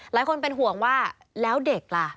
หลายคนเป็นห่วงว่าแล้วเด็กล่ะ